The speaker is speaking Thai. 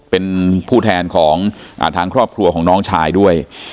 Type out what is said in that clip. เป็นผู้แทนของทางครอบครัวของน้องชายด้วย